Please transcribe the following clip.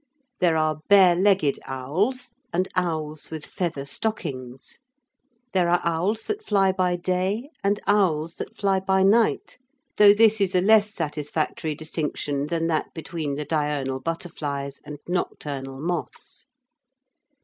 There are bare legged owls and owls with feather stockings. There are owls that fly by day and owls that fly by night, though this is a less satisfactory distinction than that between the diurnal butterflies and nocturnal moths.